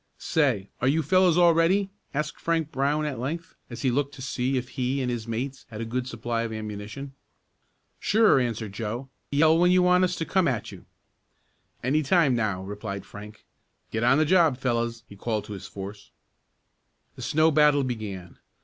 "Say, are you fellows all ready?" asked Frank Brown at length, as he looked to see if he and his mates had a good supply of ammunition. "Sure," answered Joe. "Yell when you want us to come at you." "Any time now," replied Frank. "Get on the job, fellows!" he called to his force. The snow battle began.